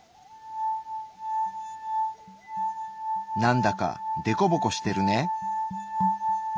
なんだかデコボコしてるね。